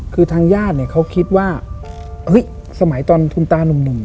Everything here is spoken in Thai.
คือทางญาติเนี่ยเขาคิดว่าเฮ้ยสมัยตอนคุณตานุ่ม